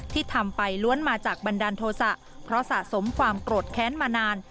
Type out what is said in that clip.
ที่ทำไปล้วนมาจากบันดาลโทษะเพราะสะสมความโกรธแค้นมานาน